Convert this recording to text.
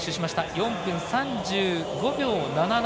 ４分３５秒７７。